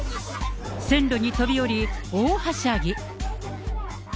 線路に飛び降り、大はしゃぎ。